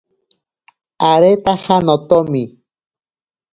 Aretaja notomi.